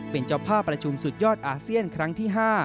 เป็นเจ้าภาพประชุมสุดยอดอาเซียนครั้งที่๕